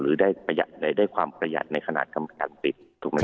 หรือได้ความประหยัดในขณะกรรมการติดถูกไหม